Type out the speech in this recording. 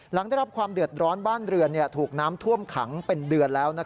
หลังได้รับความเดือดร้อนบ้านเรือนถูกน้ำท่วมขังเป็นเดือนแล้ว